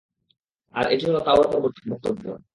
আর এটি হলো তাওরাতের বক্তব্য।